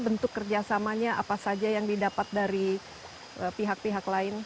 bentuk kerjasamanya apa saja yang didapat dari pihak pihak lain